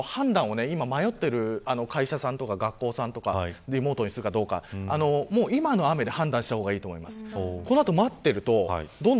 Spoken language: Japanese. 今日は判断を今、迷っている会社さんとか学校さんとかはリモートにするかどうかは今の雨で判断した方がいいと思います。